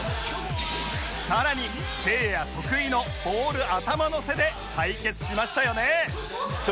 さらにせいや得意のボール頭のせで対決しましたよね